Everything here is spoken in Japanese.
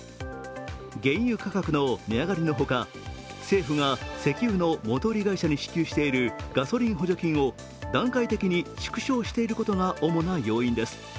原油価格の値上がりのほか、政府が石油の元売り会社に支給しているガソリン補助金を段階的に縮小していることが主な要因です。